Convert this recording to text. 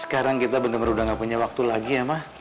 sekarang kita bener bener gak punya waktu lagi ya ma